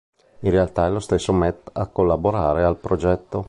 In realtà è lo stesso Matt a collaborare al progetto.